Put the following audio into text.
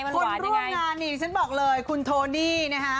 คนร่วมงานนี่ฉันบอกเลยคุณโทนี่นะฮะ